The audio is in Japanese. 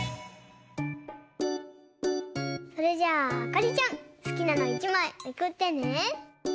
それじゃあかりちゃんすきなの１まいめくってね。